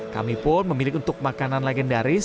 kami pun memilih untuk makanan legendaris